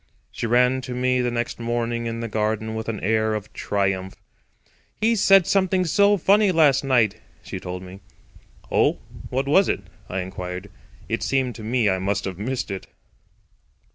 She ran to me the next morning in the garden with an air of triumph. "He said something so funny last night," she told me. "Oh, what was it?" I inquired. It seemed to me I must have missed it.